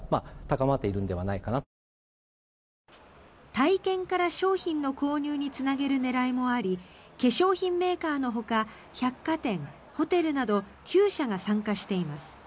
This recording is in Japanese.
体験から商品の購入につなげる狙いもあり化粧品メーカーのほか百貨店、ホテルなど９社が参加しています。